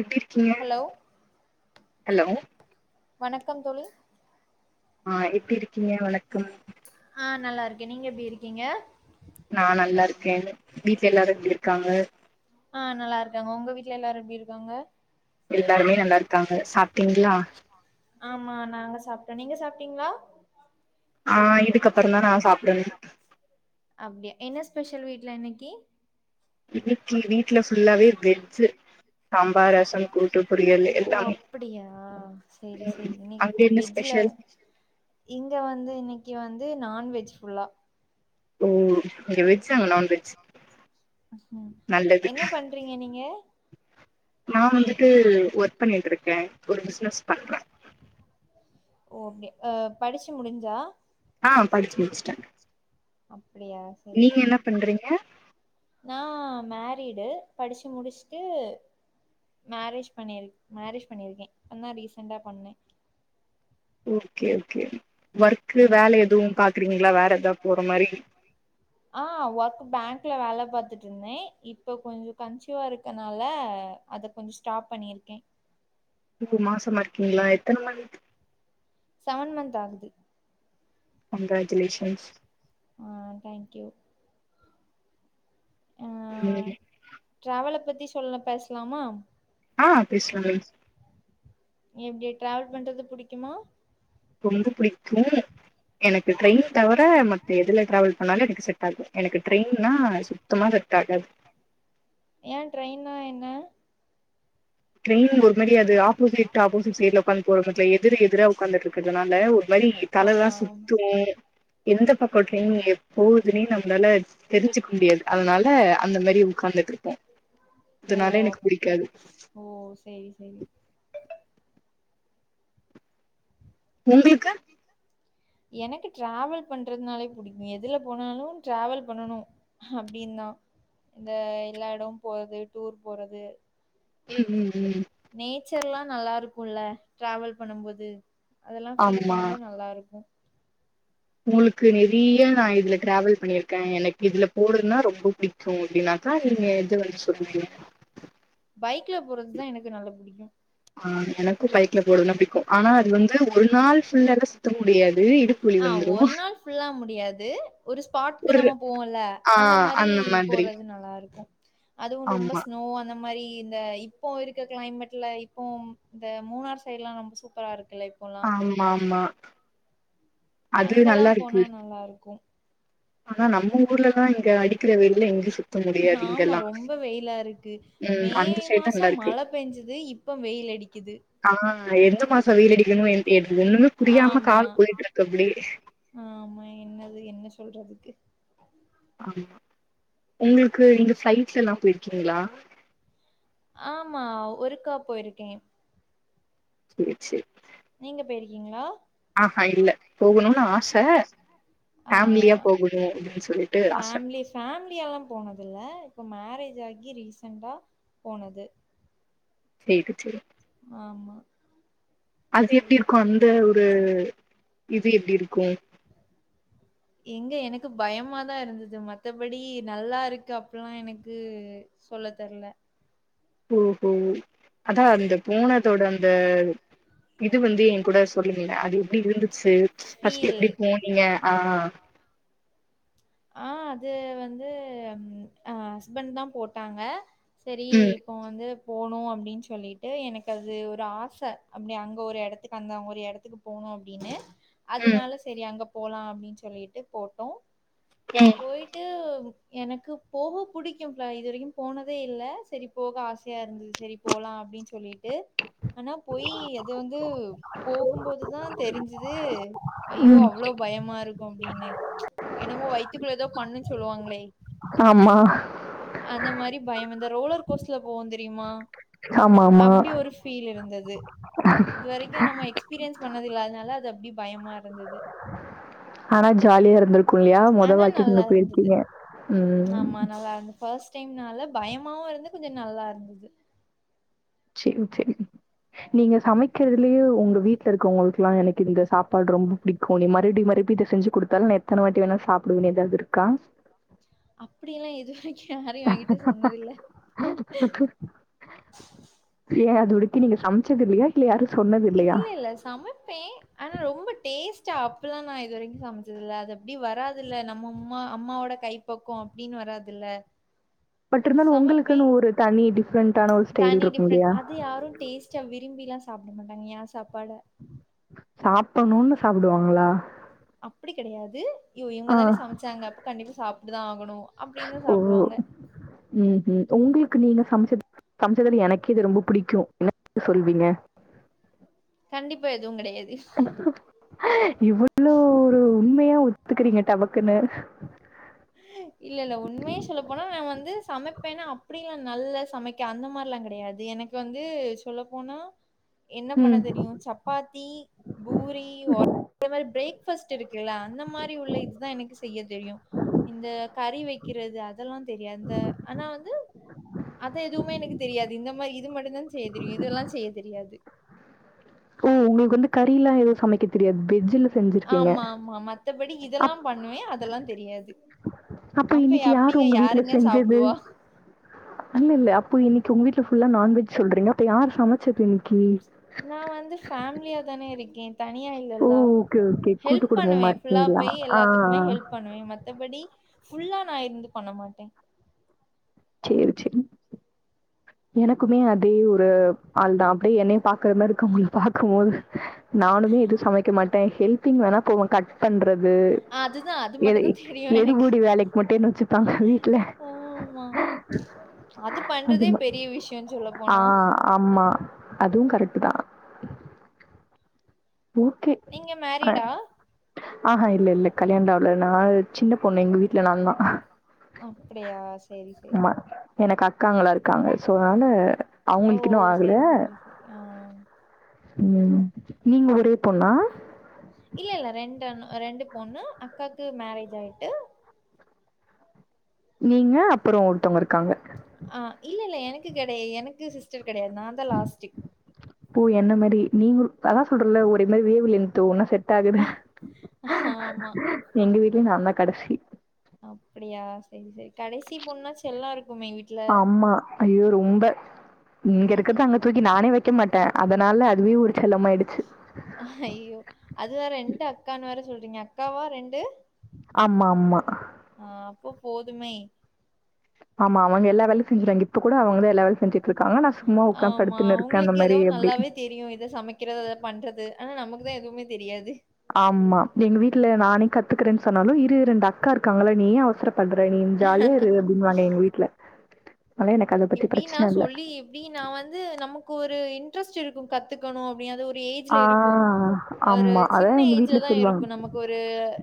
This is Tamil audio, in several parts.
எப்பிடி இருக்கீங்க ஹலோ ஹலோ வணக்கம் தோழி ஆ எப்பிடி இருக்கீங்க வணக்கம் ஆ நல்லா இருக்கே நீங்க எப்பிடி இருக்கீங்க நா நல்லா இருக்கே வீட்ல எல்லாரு எப்டி இருக்காங்க ஆ நல்லா இருக்காங்க உங்க வீட்டுல எல்லாரு எப்டி இருக்காங்க எல்லாருமே நல்லா இருக்காங்க சாப்ட்டீங்களா டீங்ளா ஆ இதுக்கப்புறந் தா நா சாப் அப்டியா என்னஸ் ஸ்பெஷல் வீட்ல இன்னக்கி [unintelligible] வெஜ்ஜு சாம்பார் ரசம் கூட்டு பொரியல் ஓ எல்லாமே அப்படியா சரி ம் சரி அங்க இன்னைக்கு என்ன வெஜ்ல ஸ்பெஷல் இங்க வந்து இன்னைக்கு வந்து து நான்வெஜ் ஃபுல்லா ஓ இங்க வெஜ் அங்க நான்வெஜ் உ நல்லது என்ன பண்றீங்க நீங்க நா வந்துட்டு ஒர்க் பண்ணிட்டு இருக்கே ஒரு பிச்னஸ் பண்றே ஓ கே படிச்சு முடிஞ்சா ஆ படிச்சு முடிச்சிட்டே ஆப் அப்டியா சரி சரி நா மேரிடு படிச்சு முடிச்சுட்டு மேரேஜ் பண்ணிரு மேரேஜ் பண்ணிருக்கே அதா ரீசன்டா பண்ணே ஓகே ஓகே ஒர்க்கு வேல எதுவு பாக்குறீங்களா வேற எதா போற மாரி ஆ ஒர்க் பேங்க்ல வேல பாத் பாத்துட்ருந்தே இப்ப கொஞ்ச கன்சிவா இருக்கனால அத கொஞ்ச ஸ்டாப் பண்ணிருக்கே மாசமா இருக்கீங்களா எத்தன மன்த் செவன் மந்த் ஆகுது கங்ராஜுலேஷன்ஸ் ஆ தேங்க்யூ ஆ ம் டிராவல பத் த்தி சொல்லல பேசலாமா ஆ பேசலாமே நீ எப்டி டிராவல் பண்றது புடிக்குமா ரொம்ப புடிக்கு எனக்கு ட்ரெயின் தவிர மத்த எதுல டிராவல் பண்ணாலு எனக்கு செட் ஆகு எனக்கு ட்ரெயின்னா சுத்தமா செட் ஆகாது ஏ ட்ரெயின்னா என்ன ட்ரெயின்ல ஒரு மாரியா ஆப்போசிட் ஆப்போசிட் சைட்ல உக்காந்து போறத்துல எதிர் எதிர உக்காந்துட்டு இருக்றதுனால ஒரு மாதிரி ஆ தலலா சுத்து எந்த பக்க ட்ரெயின் போகுதுன்னே நம்மளால தெரிஞ்சு க்க முடியாது அதனால அந்த மாரி உக்காந்துட்ருப்போ ஓ அதனாலே எனக்கு அப்டி பிடிக்காது ஓ சரி சரி உங்களுக்கு எனக்கு டிராவல் பண்றதுனாலே புடிக்கு எதுல போனாலு டிராவல் பண்னணு அப்டின்னு தா இந்த எல்லா எடமு போறது டூர் போறது உ உ உ நேச்சர்லா நல்லா இருக்குல டிராவல் பண்ணும்போது அதெலா ஃபீல் ஆமா பண்ணும்போது நல்லா இருக்கு உங்களுக்கு நெறையா நா இதுல டிராவல் பண்ணிருக்கே எனக்கு இதுல போறதுனா ரொம்ப பிடிக்கு அப்டின்னாக்க நீங்க எது வந்து சொல்வீங்க பைக்ல போறதுதா எனக்கு நல்லா புடிக்கு ஆ எனக்கு பைக்ல போரதுனா பிடிக்கு ஆனா அது வந்து ஒரு நாள் ஃபுல்லாலா சுத்த முடியாது இடுப்பு வலி ஆ வந்துரு ஒரு நாள் ஃபுல்லா முடியாது ஒரு ஸ்பாட்கு ஒரு நம்ம போவோம்ல ஆ அந்த மாரி மாதிரி போறது நல்லா இருக்கு அதுவு ரொம்ப ஆமா ஸ்னோ அந்த மாரி இந்த இப்போ இருக்க கிளைமேட்ல இப்போ இந்த மூணார் சைடுலா நம்ம சூப்பரா இருக் குல இப்பலா ஆமா ஆமா அது அங்கலா நல்லா இருக்கு போனா நல்லா இருக்கு ஆனா நம்ம ஊர்லதா இங்க அடிக்கிற வெயில்ல எங்க சுத் ஆமா ரொம்ப வெயிலா இருக்கு ம் மே அந்த சைடு தா மாசோ நல்லா இருக்கு மழ பெஞ்சது இப்ப வெயில் அடிக்குது ஆ எந்த மாசோ வெயிலடிக்கணு ஏது ஒண்ணுமே புரியாம கால ஆமா போயிட்டு இருக்கு அப்டே ஆமா என்னது என்ன சொல்றதுக்கு ஆமா உங்களுக்கு இந்த ஃப்ளைட்லலா போயிருக்கீங்களா ஆமா ஒருக்கா போயிருக்கே சேரி சேரி நீங்க போயிருக்கீங்களா ஆஹா இல்ல போகணுன்னு ஆச ஃபேமிலியா ஆ போகணு அப்டின்னு சொல்லிட்டு ஆச ஃபேமிலி ஃபேமிலி யாலா போனதில்ல இப்ப மேரேஜ் ஜாகி ரீசன்டா போனது [unintelligible] ஆமா அது எப்டி இருக்கு அந்த ஒரு இது எப்டி இருக்கு எங்க எனக்கு பயமாதா இருந்துது மத்தபடி நல்லா இருக்கு அப்பில்லா எனக்கு சொல்ல தெர்ல ஓஹோ அதா அந்த போனதோட அந்த இது வந்து என் கூட சொல்லுங்க அது எப்டி இருந்துச்சு ஃபர்ஸ்ட் ஃபீல் எப்டி போனீங்க ஆ ஆ அது வந்து அம் ஆ ஹஸ்பண்ட்தா போட்டாங்க செரி ம் இப்ப வந்து போணு அப்டின்னு சொல்லிட்டு எனக்கு அது ஒரு ஆச அப்டி அங்க ஒரு எடத்துக்கு அந்த மாரி எடத்துக்கு போணு அப்டின்னு ம் அதனால சரி அங்க போலா அப்டின்னு சொல்லிட்டு போட்டோ ம் போயிட்டு எனக்கு போகவு புடிக்கு ப்ல இதுவரைக்கு போனதே இல்ல செரி போக ஆசையா இருந்துது செரி போலா அப்டின்னு சொல்லிட்டு. ஆனா போயி அது வந்து போகும்போதுதா தெரிஞ்சுது ஐயோ ம் அவ்ளோ பயமா இரு க்கு அப்டின்னு என்னமோ வயித் துக்குள்ள ஏதோ பண்ணுன் சொல்லுவாங்களே ஆமா டி பயோ இந்த ரோலர் கோஸ்ட்ல போவோ தெரியுமா ஆமாமா அப்டி ஒரு ஃபீல் இருந்தது இதுவரைக்கு நம்ம எக்ஸ்பீரியன்ஸ் பண்ணது இல்ல அதனால அது அப்டி பயமா இருந்துது ஆனா ஜாலியா இருந்திருக்கு இல்லையா மொத ஆனா வாட்டி நீங்க நல்லா இருந்தது. போயிருக்கீங்க ம் ஆமா நல்லா இருந்தது. ஃபர்ஸ்ட் டைம்னால பயமாவு இருந்துது கொஞ்ச நல்லா இருந்துது ஓகே ம் நீங்க சமைக்கிறதுலயே உங்க வீட்ல இருக்கவங்களுக்கெல்லா எனக்கு இந்த சாப்பாடு ரொம்ப பிடிக்கு நீ மறுபடி மறுபடி இத செஞ்சு குடுத்தாலு நா எத்தன வாட்டி வேண்ணாலு சாப் அப்பிடி எல்லா எது ஹ்ஹ் ஹ் இல்ல அது [unintelligible] நீங்க சமைச்சது இல்லயா இல்ல யாரு இல்ல இல்ல சமைப்பே ஆனா ரொம்ப டேஸ்ட் டா அப்டில்லா நா இதுவரைக்கு சமைச்சது இல்ல அது அப்டி வராதில்ல நம்ம உம்மா அம்மாவோட கைப்பக்குவோ அப்டின்னு வராதில்ல பட் இருந்தாலு உங்களுக்குன்னு ஒரு தனி டி தனி டிஃப்ரெண்ட் அது யாரு டேஸ்ட்ட விரும்பிலா சாப்ட மாட்டாங்க ஏன்னா சாப் சாப்படணுன்னு சாப்புடுவாங்களா அப்பிடி கெடையாது இவ் ஆ. இவங்கதான சமைச்சாங்க அப்ப கண்டிப்பா சாப் ட்டுதா ஆகணு ஓ ம் ஹும் உங்களுக் கு நீங்க சமைச்சது சமைச்சதுல எனக்கே இது ரொம்ப புடிக்கு [inaudible] சொல்வீங்க? கண்டிப்பா எ இவ்ளோ ஒரு உண்மையா ஒத்துக்குறீங்க டபக்குன்னு இல்ல இல்ல உண்மைய சொல்ல போனா நா வந்து சமைப் பேனா அப்பிடில்லா நல்லா சமைக்க அந்த மாரில்லா கெடையாது எனக்கு வந்து சொல்லப் போனா என்ன பண்ண ம். தெரியு சப்பாத்தி, பூரி [inaudible] இந்த மாரி பிரேக்ஃபாஸ்ட் இருக்குல்ல அந்த மாரி உள்ள இதுதா எனக்கு செய்யத் தெரியு இந்த கறி வைக்கிறது அதெல்லாந் தெரியாது இந்த ஆனா வந்து அத எதுமே எனக்கு தெரியாது இந்த மாரி இது மட்டும்தா செய்யத் தெரியு இதெல்லா செய்யத் தெரியாது ஓ உங்களுக்கு வந்து கறி எல்லா எதுவு சமைக்க தெரியாது வெஜ்ஜில செஞ்சிருப்பீங்க. ஆமா ஆமா மத்தபடி இதெல்லா அப் பண்ணுவே அதெல்லாந் தெரியாது அப்ப இன்னக்கி யாரு அப்டிங்க உங்க வீட்ல யாருங்க செஞ்சது சாப்டுவா? இல்ல இல்ல அப்பி இன்னக்கி உங்க வீட்ல ஃபுல்லா நான்வெஜ் சொல்றீங்க அப்ப யார் சமைச்சது இன்னக்கி நா வந்து ஃபேமிலியாதானே இருக்கே தனியா ஓ! இல்லல்ல ஓகே, ஓகே. கூட்டு ஹெல்ப் குடும்பமா பண்ணுவே ஃபுல்லா இருக்கீங்களா? போய் ஆ, எல்லாத்துக்குமே ஆ. ஹெல்ப் பண்ணுவே மத்தபடி ஃபுல்லா நா இருந்து பண்ண மாட்டே சேரி சேரி எனக்குமே அதே ஒரு ஆள்தா அப்டியே என்னய பாக்குற மாரி இருக்கு உங்கள பாக்கும்போது நானுமே எதுவு சமைக்க மாட்டே ஹெல்பிங் வேண்ணா போவ கட் பண்ற து அதுதான் அது எடு மட்டும்தான் தெரியு எனக்கு. எடுபுடி வேலைக்கு மட்டு என்ன வச்சுப்பாங்க வீட்ல ஆமா. அது பண்றதே ம பெரிய விஷயம் சொல்ல ஆ போனா. ஆமா அதுவு கரெக்ட் தான். ஓகே நீங்க ஆ மேரிடா? ஆஹா இல்ல இல்ல கல்யாணலா இல்ல நா சின்ன பொண்ணு எங்க வீட்ல நாந்தா அப்பிடியா செரி செரி எனக்கு அக்காங்கல்லா இருக்காங்க சோ அதனால ஓ அவங்களுக்கு இன்னும் ஆகல. செரி செரி செரி ஆ ம் நீங்க ஒரே பொண்ணா ரெண்டு பொண்ணு அக்காக்கு மேரேஜ் ஆயிட்டு நீ ஆஹ் இல்ல இல்ல எனக்கு கிடை எனக்கு சிஸ் கிடையாது நான் தான் லாஸ்டிக் நீங்களும் அதான் சொல்றேன்ல ஒரே மாதிரி வேவ்லென்த் ஒரே து ஆமா. எங்க வீட்டு நான்தான் கடைசி அப்புடியா செரி செரி கடைசி பொண்ணா செல்லம் இருக்கும் ஆமா ஐயோ ரொம்ப இங்க இருக்கறத அங்க தூக்கி நானே வைக்க மாட்டேன் அதனால அதுவே ஒரு செல்லமாயிடுச்சு ங்க அக்காவா ரெண்டு ஆமாமா. ஆஹ் அப்போ போதுமே ஆமா ஆமா அவுங்க எல்லா வேலை செஞ்சுறாங்க இப்ப கூட அவங்கள லைப் ஆமா அந்த அவங்களுக்கு மாரி ஏதோ அப்டி. நல்லாவே தெரியும் இதை சமைக்கிறது அதை பண்றது ஆனா நமக்குதான் எதுவுமே தெரியாது ஆமா எங்க வீட்டுல நா கத்துக்கிறேன்னு சொன்னாலும் இரு இரு ரெண்டு அக்கா இருக்காங்கள நீ அவசரப்படுற பண்ற நீ ஜாலியா இரு அப்படின்னு வாங்க எங்க வீட்டுல இப்பிடி நா சொல்லி எப்பிடி நா வந்து நமக்கு ஒரு இன்ரஸ்ட் இருக்கு கத்துகனும் அப்பிடி ஒரு ஆ ஏஜில இருக்கும் ஒரு ஆமா. சின்ன அதான் எங்க ஏஜில வீட்ல தா சொல்லுவாங்க. யிருக்கு நமக்கு ஒரு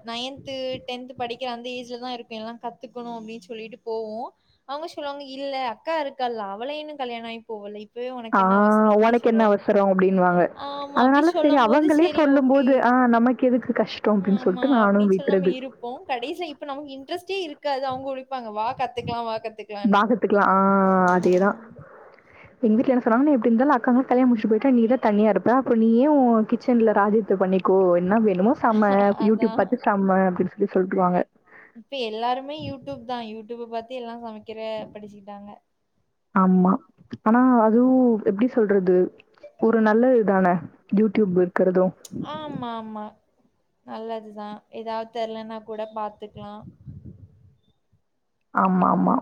நையத் டென்த் படிக்க அந்த ஏஜில தா யிருக்கே எல்லா கத்துகணும் அப்படின்னு சொல்லிட்டு போவோ அவங்க சொல்லுவாங்க யில்ல அக்காயிருகல்ல அவளே இன்னும் கல்யாணயமாகி போகல கே உனக்கு "ஆ என்ன அவசரம் அப்டினு உனக்கு என்ன சொல்லுவாங்க அவசரம்?" அப்டின்னுவாங்க. ஆமா அப்டி அதனால சரி சொல்லும் போது அவங்களே செரி ஓகே சொல்லும்போது, "ஆ நமக்கு எதுக்கு கஷ்டம்?" அப்டின்னு ஆமா சொல்லிட்டு நானும் அப்படினு விட்றது. செல்லமாயிருபோம் கடைசில நமக்கு இன்டரஸ்ட்டே க்துஅவங்க உலிபாங்க வா கத்துகலாம் வா கத்துகலாம் ஆஹ அதேதான் எங்க வீட்டுல என்ன சொன்னாங்கன நீ எப்படியிருந்தாலும் அக்காவ கல்யாண முடிச்சுட்டுபோயிட்ட நீ தான் தனியாயிருப்ப அப்ரோம் நீயும் கிச்ன்ல ராஜயத்தே பண்ணிகோ என்ன வேணுமோ சமை ஆ யூடிப் அதான். பாத்து சம அப்பிடின்னு ப்படி சொல்ட்டுவாங்க இப்பஎல்லாருமே யூடிப் தான் யூடிப் பாத்துஎ ல்லாம் சமைக் ஆம்மா ஆனா அ துவு எப்டி சொல்றது ஒரு நல்ல இதானே யூட்யூப் இருக்குறது ஆமாமா நல்லதுதா எதாவ் தெர்லனா கூட பாத்துக்லா ஆமாமா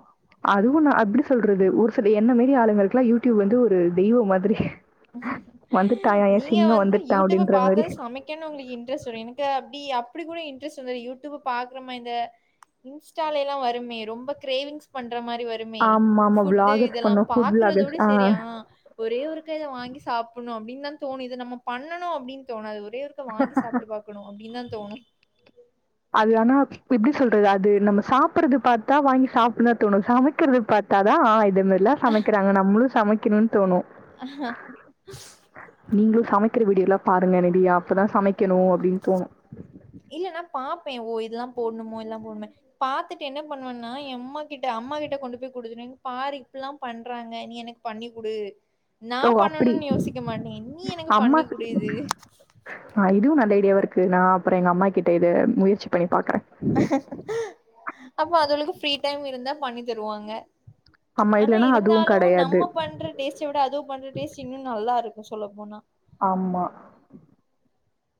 அதுவு நா எப்டி சொல்றது ஒரு சில என்ன மாரி ஆளுங்களுக்லா யூடியூப் வந்து ஒரு தெய்வ மாதிரி வந்துட்டாயாம், என் நீங்க சிங்கம் வந்து வந்துட்டான் யூடியூப அப்டின்ற மாரி. பாத்தது சமைக்கன்னு உங்ளுக்கு இன்ட்ரெஸ்ட் வரு எனக்கு அப்டி அப்டி கூட இன்ட்ரெஸ்ட் வந்த யூட்யூப பாக்குறமா இந்த இன்ஸ்டாலைலா வருமே ரொம்ப கிரேவிங்ஸ் பண் ற மாரி வருமே ஆமாமா. ஃபுட்டு விளாகர்ஸ் இதெல்லா பண்ணும். Food vloggers. பாக்குறதோட ஆ. சேரி ஆனா ஒரே ஒரு வாங்கி சாப்புன்னு அப்டின் தா தோனு இது நம்ம பண்ணனு அப்டின் தோனாது ஒ ரே ஒருக்க வாங்கி சாப்ட்டு பாக்கணு அப்டின தா தோனு அது ஆனா எப்டி சொல் றது அது நம்ம சாப்புறது பாத் தா‌ வாங்கி சாப்புல்லா தோனு சமக்கிறது பாத்தா தா இ து மார்லா சமக்கிறாங்க நம்ளு சமை க்கினுன் தோனு ஹ நீங்ளு சமைக்கிற வீடியோலா பாருங்க ரெடியா அப்பதா சமைக்கனு அப்டின் தோனு ப்பே ஓ இதலா போட்னுமோ இதல்லா போனுமோ பாத்துட்டு என்ன பண்ணுவென்னா எ அம்மா கிட்ட அம்மா கிட்ட கொண்டு போய் குடுத்துருவே இங் பாரு இப்பில்லா பண்றாங்க நீ எனக்கு பண்ணிகுடு நா ஓ! அப்படி. பண்ணனுன் யோசிக்க மாட்டே நீ எனக்கு அம்மா பண்ணி குடு இது டியாவாருக்கு நா அப்ற எங்க அம்மா கிட்ட இத முயற்சி பண்ணி பாக்குறே அப்ப அதுவரைக்கு ஃப்ரீ டைம் இருந்தா பண்ணி தருவாங்க ஆமா, ஆனா இல்லன்னா அதுவும் இருந்தாலு கெடையாது. நம்ம பண்ற டேஸ்ட்ட விட அது பண்ற டேஸ்ட் இன்னு நல்லாருக்கு சொல்ல போனா ஆமா